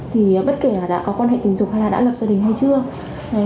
thì bất kể là đã có quan hệ tình dục hay là đã lập gia đình hay chưa